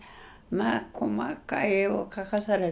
まあ細かい絵を描かされ。